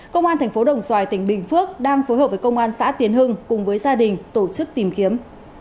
công an thành phố đồng xoài tỉnh bình phước đang phối hợp với công an xã tiến hưng cùng với gia đình tổ chức tìm kiếm